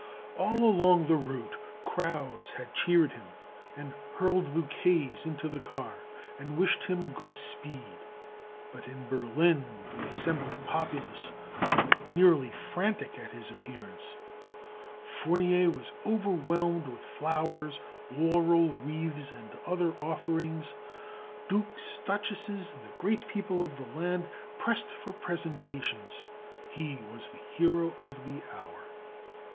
All along the route crowds had cheered him, and hurled bouquets into the car, and wished him good speed; but in Berlin the assembled populace went nearly frantic at his appearance. Fournier was overwhelmed with flowers, laurel wreaths, and other offerings; dukes, duchesses, and the great people of the land pressed for presentations; he was the hero of the hour.